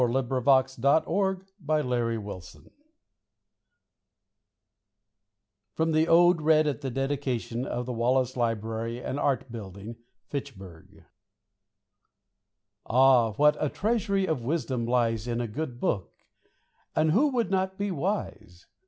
THE LIBRARY 191 THE LIBRARY [From the Ode read at the dedication of " The Wallace library and Art Building/' Fitchburg.] Ah, what a treasury of wisdom lies In a good book ! and who would not be wise